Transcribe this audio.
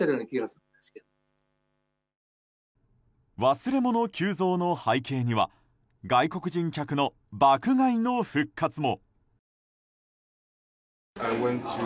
忘れ物急増の背景には外国人客の爆買いの復活も。